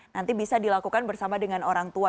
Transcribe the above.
nanti bisa dilakukan bersama dengan orang tua